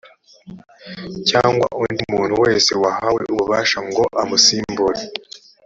cyangwa undi muntu wese wahawe ububasha ngo amusimbure